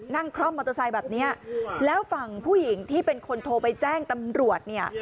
คร่อมมอเตอร์ไซค์แบบนี้แล้วฝั่งผู้หญิงที่เป็นคนโทรไปแจ้งตำรวจเนี่ย